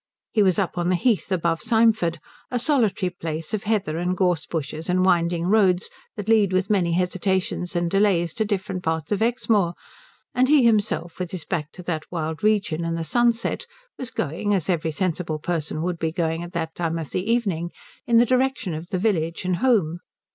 He was up on the heath above Symford, a solitary place of heather, and gorse bushes, and winding roads that lead with many hesitations and delays to different parts of Exmoor, and he himself with his back to that wild region and the sunset was going, as every sensible person would be going at that time of the evening, in the direction of the village and home.